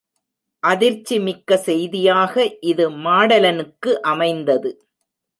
அதிர்ச்சி மிக்க செய்தியாக இது மாடலனுக்கு அமைந்தது.